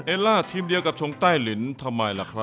ล่าทีมเดียวกับชงใต้ลินทำไมล่ะครับ